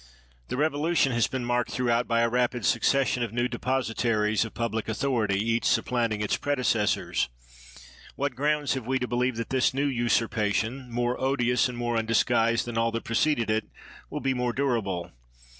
The revolution has been marked throughout by a rapid succession of new de positaries of public authority, each supplanting its predecessor. What grounds have we to be lieve that this new usurpation, more odious and more undisguised than all that preceded it, will be more durable